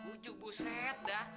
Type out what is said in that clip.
bujuk buset dah